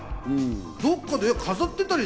どっかに飾ってたり。